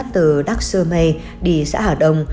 từ đắk sơ mây đi xã hảo đông